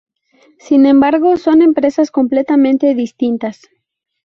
Sin embargo, son empresas completamente distintas.